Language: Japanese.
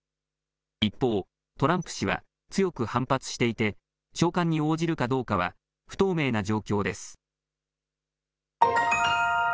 一方、トランプ氏は強く反発していて、召喚に応じるかどうかは不透明な状況です。